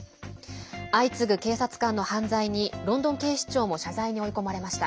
相次ぐ警察官の犯罪にロンドン警視庁も謝罪に追い込まれました。